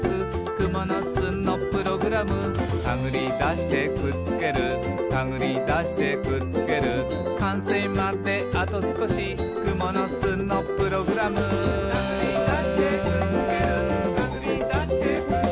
「くものすのプログラム」「たぐりだしてくっつけるたぐりだしてくっつける」「かんせいまであとすこしくものすのプログラム」「たぐりだしてくっつけるたぐりだしてくっつける」